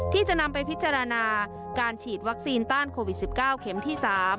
ที่จะนำไปพิจารณาการฉีดวัคซีนต้านโควิด๑๙เข็มที่๓